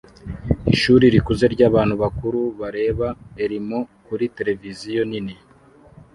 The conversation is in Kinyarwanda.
Ishuri rikuze ryabantu bakuru bareba Elmo kuri tereviziyo nini